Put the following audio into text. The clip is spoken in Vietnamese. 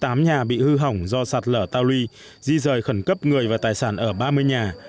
trong một trăm tám mươi tám nhà bị hư hỏng do sạt lở tàu ly di rời khẩn cấp người và tài sản ở ba mươi nhà